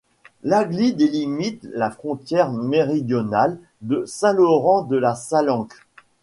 L'Agly délimite la frontière méridionale de Saint-Laurent-de-la-Salanque.